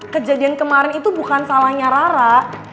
kejadian kemarin itu bukan salahnya rara